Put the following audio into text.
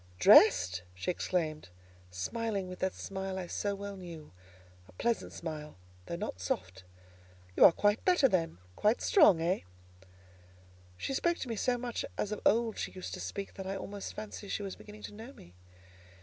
"Dressed!" she exclaimed, smiling with that smile I so well knew—a pleasant smile, though not soft. "You are quite better then? Quite strong—eh?" She spoke to me so much as of old she used to speak that I almost fancied she was beginning to know me.